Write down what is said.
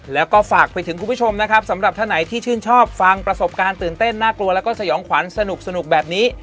แล้วก็ฝากไปถึงคุณผู้ชมนะครับสำหรับท่านไหนที่ชื่นชอบฟังประสบการณ์ตื่นเต้นน่ากลัวแล้วก็สยองขวัญสนุกแบบนี้